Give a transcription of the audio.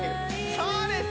そうです